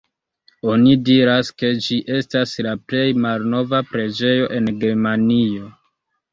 Oni diras ke ĝi estas la plej malnova preĝejo en Germanio.